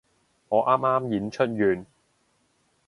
我啱啱演出完